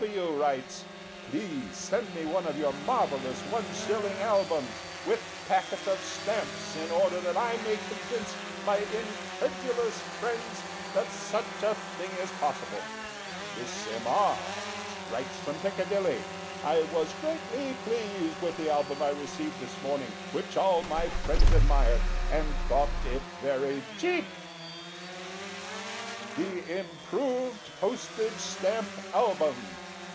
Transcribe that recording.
W. writes: "Please send me one of your marvellous 1/ Albums, with packet of stamps, in order that I may convince my incredulous friends that such a thing is possible." Miss M. R. writes from Piccadilly: "I was greatly pleased with the Album I received this morning, which all my friends admired, and thought it very cheap." THE Improved Postage Stamp Album.